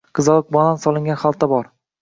Qizaloq banan solingan xalta bor.